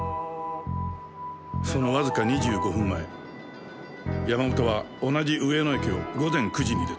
そのわずか２５分前山本は同じ上野駅を午前９時に出た。